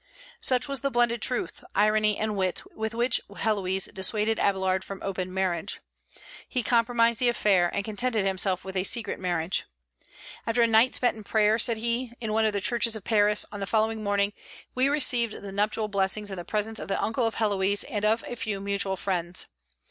Such was the blended truth, irony, and wit with which Héloïse dissuaded Abélard from open marriage. He compromised the affair, and contented himself with a secret marriage. "After a night spent in prayer," said he, "in one of the churches of Paris, on the following morning we received the nuptial blessing in the presence of the uncle of Héloïse and of a few mutual friends.